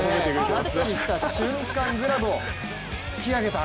キャッチした瞬間グラブを突き上げた。